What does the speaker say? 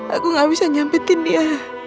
aku gak bisa nyampetin dia